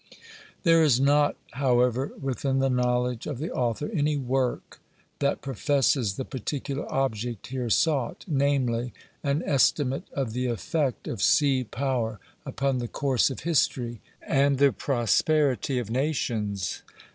There is not, however, within the knowledge of the author any work that professes the particular object here sought; namely, an estimate of the effect of sea power upon the course of history and the prosperity of nations.